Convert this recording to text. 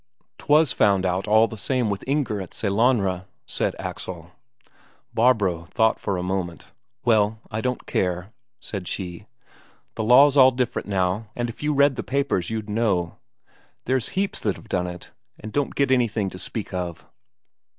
"'Twas found out all the same with Inger at Sellanraa," said Axel. Barbro thought for a moment. "Well, I don't care," said she. "The law's all different now, and if you read the papers you'd know. There's heaps that have done it, and don't get anything to speak of."